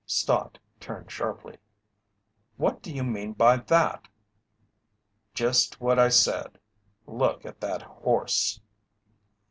Stott turned sharply. "What do you mean by that?" "Just what I said. Look at that horse!"